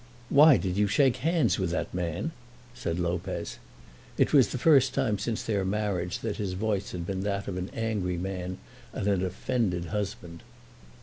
"Why did you shake hands with that man?" said Lopez. It was the first time since their marriage that his voice had been that of an angry man and an offended husband.